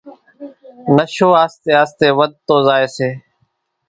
نشو آستي آستي وڌتو زائي سي،